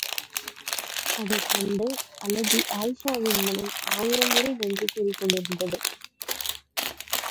அதைக் கண்டு அழகி அயீஷாவின் மனம் ஆயிரம் முறை நன்றி கூறிக்கொண்டிருந்தது!